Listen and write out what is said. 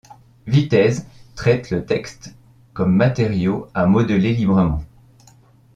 Vitez traite le texte comme matériau à modeler librement.